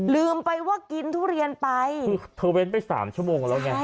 ลืมไปว่ากินทุเรียนไปคือเธอเว้นไปสามชั่วโมงแล้วไง